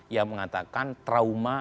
yang mengatakan trauma